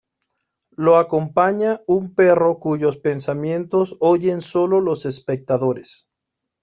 Lo acompaña un perro cuyos pensamientos oyen solo los espectadores.